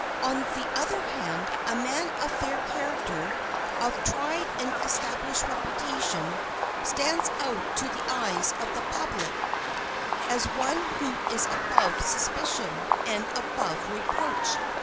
On the other hand, a man of fair character, of tried and established reputation, stands out to the eyes of the public as one who is above suspicion, and above reproach.